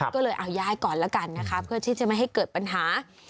ก็เลยเอาย้ายก่อนแล้วกันนะคะเพื่อที่จะไม่ให้เกิดปัญหา